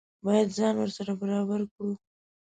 باید ځان ورسره برابر کړو.